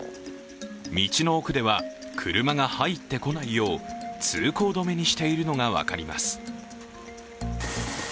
道の奥では、車が入ってこないよう、通行止めにしているのが分かります。